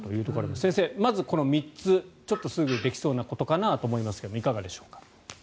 先生、まずこの３つちょっとすぐできそうなことかなと思いますがいかがでしょうか。